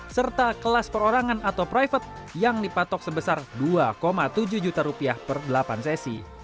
serta kelas perorangan atau private yang dipatok sebesar dua tujuh juta rupiah per delapan sesi